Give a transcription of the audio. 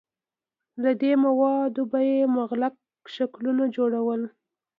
له دې موادو به یې مغلق شکلونه جوړول.